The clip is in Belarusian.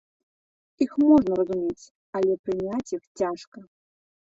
Іх можна разумець, але прыняць іх цяжка.